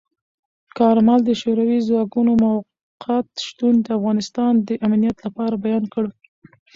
کارمل د شوروي ځواکونو موقت شتون د افغانستان د امنیت لپاره بیان کړ.